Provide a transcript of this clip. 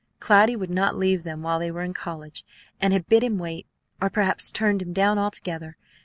Cloudy would not leave them while they were in college, and had bid him wait, or perhaps turned him down altogether!